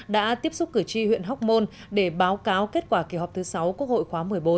đã tiếp xúc cử tri huyện hóc môn để báo cáo kết quả kỳ họp thứ sáu quốc hội khóa một mươi bốn